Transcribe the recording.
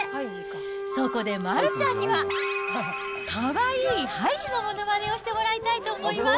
そこで丸ちゃんには、かわいいハイジのものまねをしてもらいたいと思います。